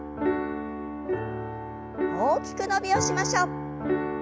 大きく伸びをしましょう。